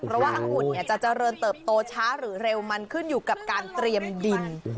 เพราะว่าอังุ่นจะเจริญเติบโตช้าหรือเร็วมันขึ้นอยู่กับการเตรียมดิน